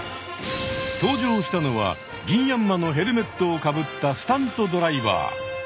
登場したのはギンヤンマのヘルメットをかぶったスタントドライバー！